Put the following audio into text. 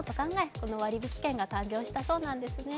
この割引券が誕生したそうなんですね。